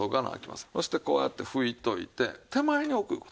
そしてこうやって拭いておいて手前に置くいう事。